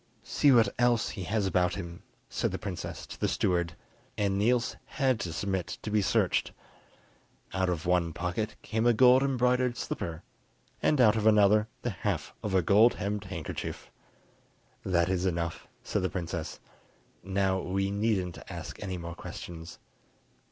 "See what else he has about him," said the princess to the steward, and Niels had to submit to be searched: out of one pocket came a gold embroidered slipper, and out of another the half of a gold hemmed handkerchief. "That is enough," said the princess; "now we needn't ask any more questions.